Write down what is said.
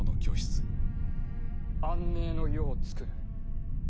安寧の世をつくる。